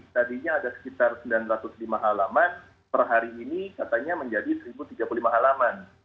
tadinya ada sekitar sembilan ratus lima halaman per hari ini katanya menjadi seribu tiga puluh lima halaman